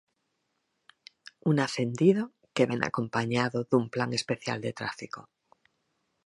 Un acendido que vén acompañado dun plan especial de tráfico.